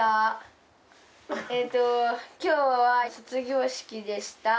えーっと今日は卒業式でした。